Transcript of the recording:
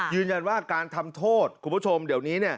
ยืนยันว่าการทำโทษคุณผู้ชมเดี๋ยวนี้